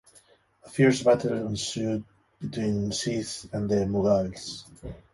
A fierce battle ensued between the Sikhs and the Mughals.